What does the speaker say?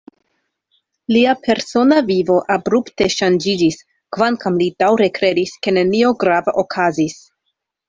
Lia persona vivo abrupte ŝanĝiĝis, kvankam li daŭre kredis, ke nenio grava okazis.